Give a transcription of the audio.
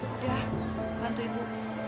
udah bantu ibu